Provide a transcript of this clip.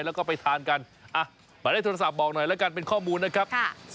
แล้วก็ไปทานกันหมายเลขโทรศัพท์บอกหน่อยแล้วกันเป็นข้อมูลนะครับ